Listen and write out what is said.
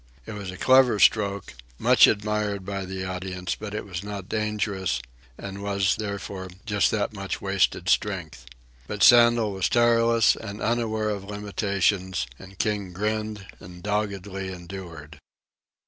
It was a clever stroke, much admired by the audience, but it was not dangerous, and was, therefore, just that much wasted strength. But Sandel was tireless and unaware of limitations, and King grinned and doggedly endured.